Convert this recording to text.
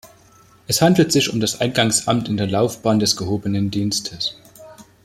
Es handelt sich um das Eingangsamt in der Laufbahn des gehobenen Dienstes.